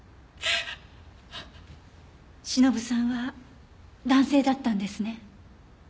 しのぶさんは男性だったんですね？